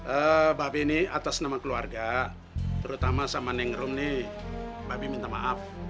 eh mbak be ini atas nama keluarga terutama sama neng rum nih mbak be minta maaf